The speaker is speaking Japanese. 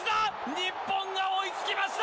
日本が追いつきました。